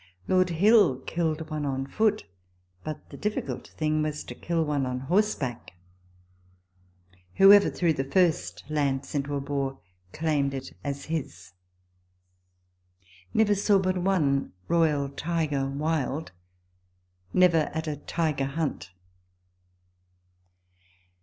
Lord Hill killed one on foot, but the difficult thing was to kill one on horseback. Whoever threw the first lance into a boar claimed it as his. Never saw but one royal tiger wild. Never at a tiger hunt.